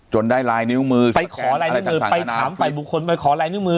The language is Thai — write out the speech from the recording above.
ได้ลายนิ้วมือไปขอลายนิ้วมือไปถามฝ่ายบุคคลไปขอลายนิ้วมือ